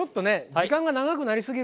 時間が長くなりすぎると。